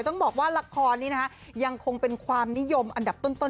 ต้องบอกว่าละครนี้นะคะยังคงเป็นความนิยมอันดับต้น